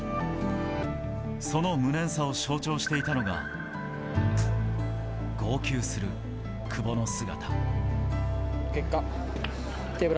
その無念さを象徴していたのが号泣する久保の姿。